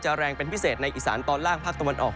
แรงเป็นพิเศษในอีสานตอนล่างภาคตะวันออก